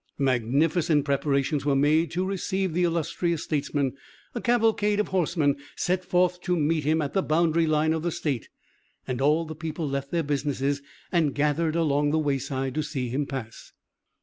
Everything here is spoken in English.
Magnificent preparations were made to receive the illustrious statesman; a cavalcade of horsemen set forth to meet him at the boundary line of the State, and all the people left their business and gathered along the wayside to see him pass.